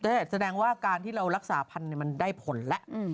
แต่แสดงว่าการที่เรารักษาพันธุ์มันได้ผลแล้ว